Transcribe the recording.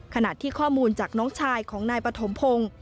ขณะที่ข้อมูลจากน้องชายของนายปฐมพงศ์